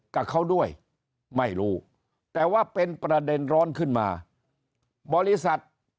กับเขาด้วยไม่รู้แต่ว่าเป็นประเด็นร้อนขึ้นมาบริษัท